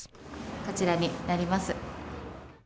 こちらになります。